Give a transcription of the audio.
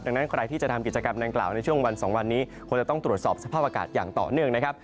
ดังนั้นใครที่จะทำกิจกรรมดังกล่าวในช่วงวัน๒วันนี้คงจะต้องตรวจสอบสภาพอากาศอย่างต่อเนื่องนะครับ